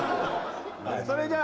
それじゃあ。